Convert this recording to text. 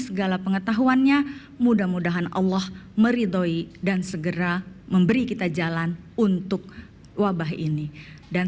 segala pengetahuannya mudah mudahan allah meridhoi dan segera memberi kita jalan untuk wabah ini dan